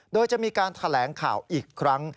โดยจะมีการแถลงข่าวอีกครั้ง